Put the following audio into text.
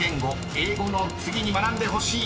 ［英語の次に学んでほしい。